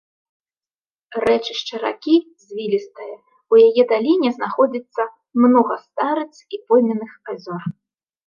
Рэчышча ракі звілістае, у яе даліне знаходзіцца многа старыц і пойменных азёр.